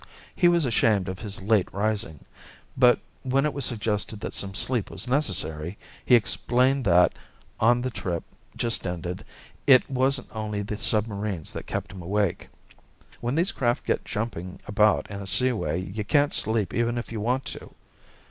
He was ashamed of his late rising, but when it was suggested that some sleep was necessary he explained that, on the trip just ended, it wasn't only the submarines that kept him awake. "When these craft get jumping about in a seaway you can't sleep even if you want to."